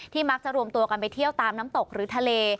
มักจะรวมตัวกันไปเที่ยวตามน้ำตกหรือทะเล